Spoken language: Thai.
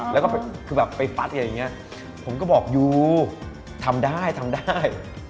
แล้วก็คือแบบไปฟัดอะไรอย่างนี้ผมก็บอกยูทำได้ทำได้